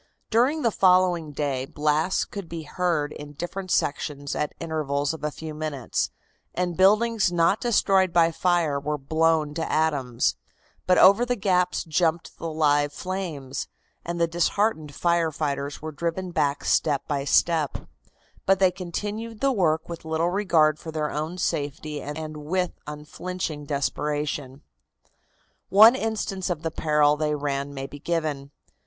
During the following day blasts could be heard in different sections at intervals of a few minutes, and buildings not destroyed by fire were blown to atoms, but over the gaps jumped the live flames, and the disheartened fire fighters were driven back step by step; but they continued the work with little regard for their own safety and with unflinching desperation. One instance of the peril they ran may be given.